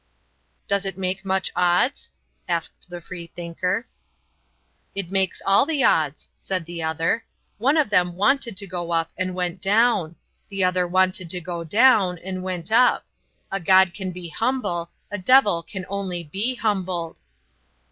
"Does it make much odds?" asked the free thinker. "It makes all the odds," said the other. "One of them wanted to go up and went down; the other wanted to go down and went up. A god can be humble, a devil can only be humbled."